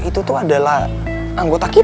itu tuh dia rabbi